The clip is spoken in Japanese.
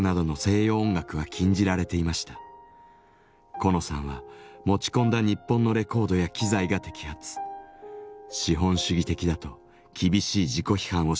コノさんは持ち込んだ日本のレコードや機材が摘発資本主義的だと厳しい自己批判を強いられたといいます。